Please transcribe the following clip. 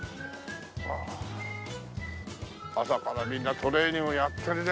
朝からみんなトレーニングやってるね。